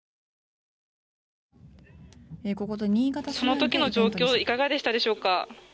その時の状況いかがでしたでしょうか。